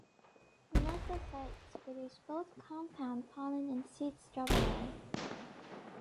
Gnetophytes produce both compound pollen and seed strobili.